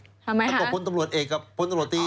ทำไมครับต้องกลับพนตำรวจเอกกับพนตำรวจตี